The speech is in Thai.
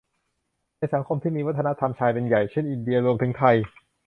ในสังคมที่มีวัฒนธรรมชายเป็นใหญ่ เช่น อินเดีย รวมถึงไทย